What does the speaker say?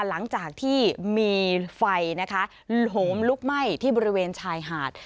หลังจากที่มีไฟนะคะโหมลุกไหม้ที่บริเวณชายหาด